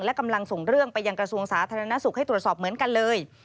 และกำลังส่งเรื่องไปยังกระทรวงสาธารณสุขให้ตรวจสอบเหมือนกันเลย